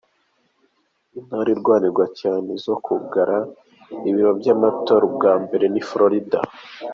Intara irwanirwa cane izokwugara ibiro vy'amatora ubwambere ni Florida.